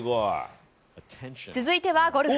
続いてはゴルフ。